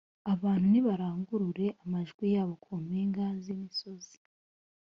abantu nibarangururire amajwi yabo ku mpinga z imisozi